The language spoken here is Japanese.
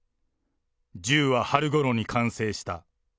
銃は春ごろに完成した。